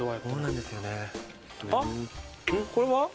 あっこれは？何？